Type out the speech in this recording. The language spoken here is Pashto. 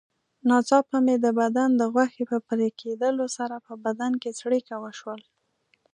ناڅاپه مې د بدن د غوښې په پرېکېدلو سره په بدن کې څړیکه وشول.